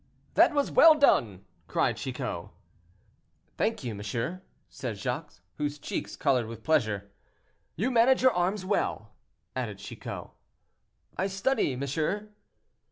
"That was well done!" cried Chicot. "Thank you, monsieur," said Jacques, whose cheeks colored with pleasure. "You manage your arms well," added Chicot. "I study, monsieur."